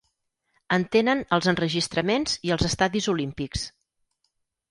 En tenen els enregistraments i els estadis olímpics.